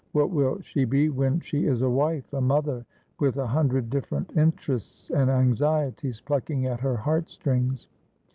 What will she be when she is a wife, a mother, with a hundred different interests and anxieties plucking at her heart strings?